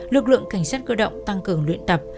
lực lượng cảnh sát cơ động tăng cường luyện tập